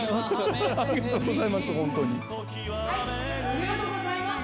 ありがとうございます。